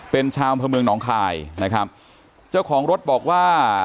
เป็นชาวอำเภอเมืองหนองคายนะครับเจ้าของรถบอกว่า